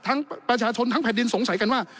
ประชาชนทั้งแผ่นดินสงสัยกันว่า